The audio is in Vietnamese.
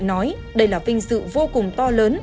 nói đây là vinh dự vô cùng to lớn